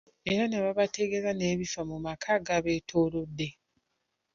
Era ne babategeeza n’ebifa mu maka agabetoolodde.